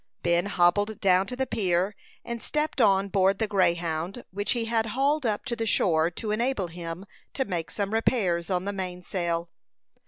Ben hobbled down to the pier, and stepped on board the Greyhound, which he had hauled up to the shore to enable him to make some repairs on the mainsail.